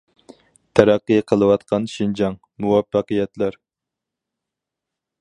تەرەققىي قىلىۋاتقان شىنجاڭ»،« مۇۋەپپەقىيەتلەر.